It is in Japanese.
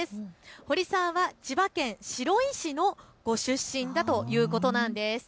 ホリさんは千葉県白井市のご出身だということなんです。